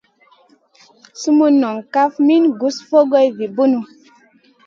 Sumun non kaf min gus fokŋa vi bunu.